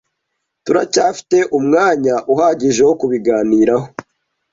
Turacyafite umwanya uhagije wo kubiganiraho.